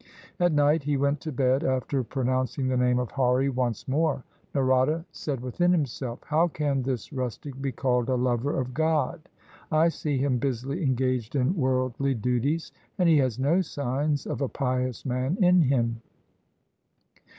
At night he went to bed after pronouncing the name of Hari once more. Narada said within himself, "How can this rustic be called a lover of God? I see him busily engaged in worldly duties, and he has no signs of a pious man in him."